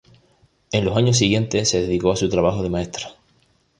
En los años siguientes se dedicó a su trabajo de maestra.